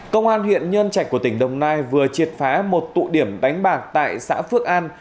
công an huyện nhân trạch của tỉnh đồng nai vừa triệt phá một tụ điểm đánh bạc tại xã phước an